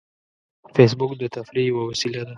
فېسبوک د تفریح یوه وسیله ده